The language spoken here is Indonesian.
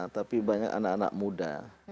tapi banyak anak anak muda